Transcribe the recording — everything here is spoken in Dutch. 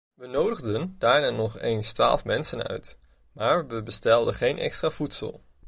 We nodigden daarna nog eens twaalf mensen uit, maar we bestelden geen extra voedsel.